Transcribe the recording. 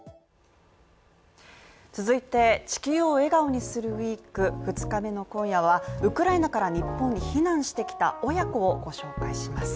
続いて、「地球を笑顔にするＷＥＥＫ」２日目の今夜はウクライナから日本に避難してきた親子をご紹介します